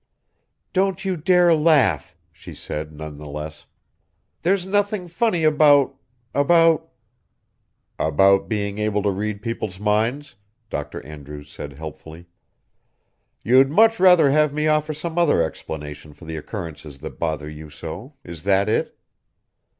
"Don't you dare laugh!" she said, nonetheless. "There's nothing funny about ... about...." "About being able to read people's minds," Dr Andrews said helpfully. "You'd much rather have me offer some other explanation for the occurrences that bother you so is that it?"